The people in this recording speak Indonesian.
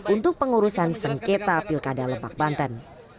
untuk pengurusan sengketa pilkada lebak banten